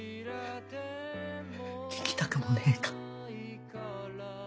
聞きたくもねえか。